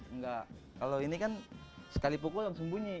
enggak kalau ini kan sekali pukul langsung bunyi